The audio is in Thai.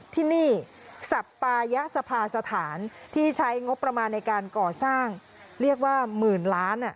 ที่นี่สัปปายสภาสถานที่ใช้งบประมาณในการก่อสร้างเรียกว่าหมื่นล้าน